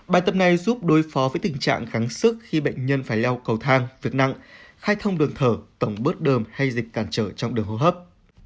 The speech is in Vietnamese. bài tập này giúp đối phó với tình trạng kháng sức khi bệnh nhân phải leo cầu thang việc nặng khai thông đường thở tổng bớt đờm hay dịch cản trở trong đường hô hấp